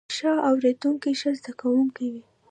ښه اوریدونکی ښه زده کوونکی وي